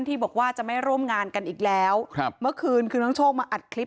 ที่บอกว่าจะไม่ร่วมงานกันอีกแล้วครับเมื่อคืนคือน้องโชคมาอัดคลิป